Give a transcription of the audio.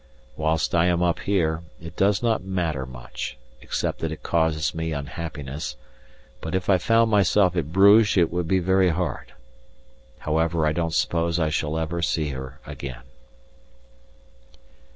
Whilst I am up here, it does not matter much, except that it causes me unhappiness, but if I found myself at Bruges it would be very hard. However, I don't suppose I shall ever see her again.